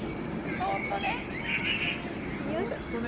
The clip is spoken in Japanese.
そっとね。